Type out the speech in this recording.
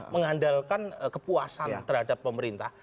mengandalkan kepuasan terhadap pemerintah